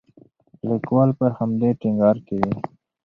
لیکوال پر همدې ټینګار کوي.